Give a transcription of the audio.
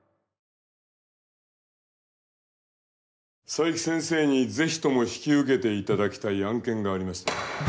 佐伯先生に是非とも引き受けていただきたい案件がありましてね。